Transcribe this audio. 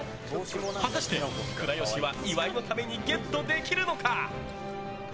果たして、倉由は岩井のためにゲットできるのか。